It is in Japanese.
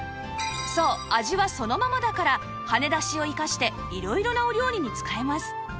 そう味はそのままだからはねだしを生かして色々なお料理に使えます